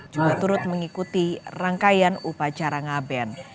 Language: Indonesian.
juga turut mengikuti rangkaian upacara ngaben